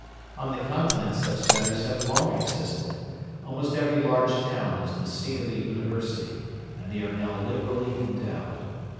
On the Continent such centres have long existed; almost every large town is the seat of a University, and they are now liberally endowed.